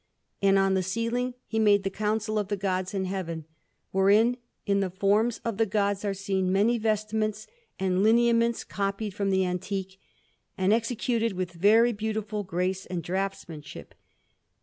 And on the ceiling he made the Council of the Gods in Heaven, wherein, in the forms of the Gods, are seen many vestments and lineaments copied from the antique, and executed with very beautiful grace and draughtsmanship.